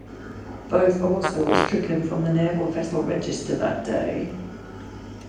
Both also were stricken from the Naval Vessel Register that day.